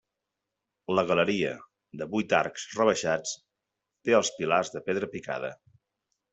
La galeria, de vuit arcs rebaixats, té als pilars de pedra picada.